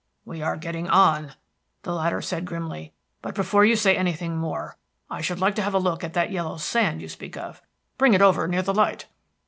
"We are getting on," the latter said grimly. "But before you say anything more, I should like to have a look at that yellow sand you speak of. Bring it over near the light."